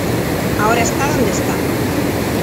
Ahora está donde está".